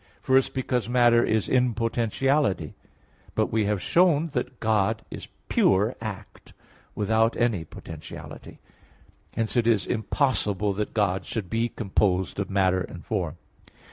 First, because matter is in potentiality. But we have shown (Q. 2, A. 3) that God is pure act, without any potentiality. Hence it is impossible that God should be composed of matter and form.